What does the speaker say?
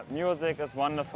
musiknya sangat menyenangkan